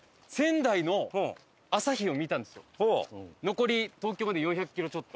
残り東京まで４００キロちょっと。